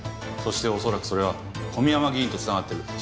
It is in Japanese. そしておそらくそれは小宮山議員とつながってる。